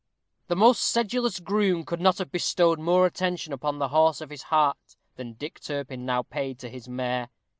The most sedulous groom could not have bestowed more attention upon the horse of his heart than Dick Turpin now paid to his mare.